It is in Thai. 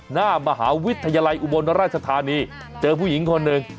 หน้ามหาวิทยาลัยอุบลราชธานีเจอผู้หญิงคนหนึ่ง